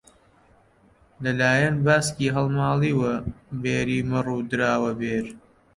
لەلایەک باسکی هەڵماڵیوە بێری مەڕ دراوە بێر